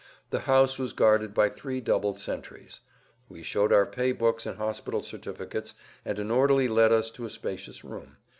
The house was guarded by three double sentries. We showed our pay books and hospital certificates, and an orderly led us to a spacious room.